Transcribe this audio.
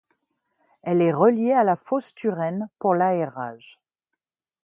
Elle est reliée à la fosse Turenne pour l'aérage.